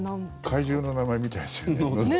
怪獣の名前みたいですよね。